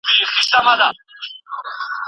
ښارونو پراختیا موندله.